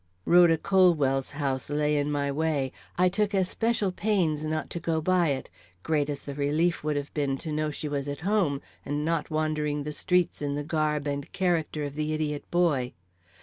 Rhoda Colwell's house lay in my way. I took especial pains not to go by it, great as the relief would have been to know she was at home and not wandering the streets in the garb and character of the idiot boy.